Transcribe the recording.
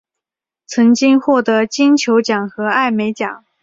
曾经获得金球奖和艾美奖。